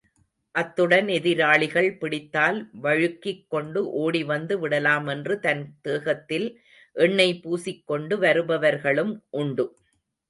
அத்துடன், எதிராளிகள் பிடித்தால், வழுக்கிக் கொண்டு ஓடிவந்து விடலாமென்று தன் தேகத்தில் எண்ணெய் பூசிக் கொண்டு வருபவர்களும் உண்டு.